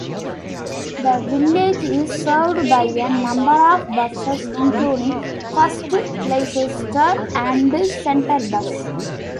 The village is served by a number of buses including First Leicester and Centrebus.